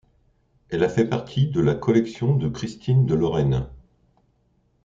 Elle a fait partie de la collection de Christine de Lorraine.